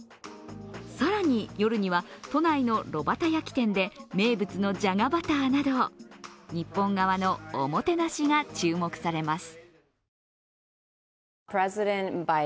更に夜には都内の炉端焼き店で名物のじゃがバターなど日本側のおもてなしが注目されます。